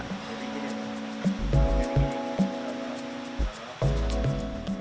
inilah salah satu tarian yang diciptakan